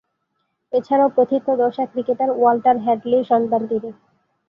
এছাড়াও, প্রথিতযশা cricketer Walter হ্যাডলি’র সন্তান তিনি।